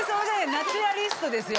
ナチュラリストですよ